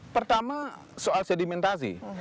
pertama soal sedimentasi